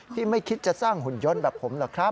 ไม่คิดจะสร้างหุ่นยนต์แบบผมหรอกครับ